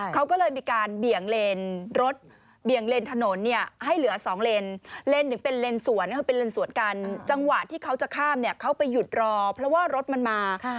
เขาไปหยุดรอเพราะว่ารถมันมา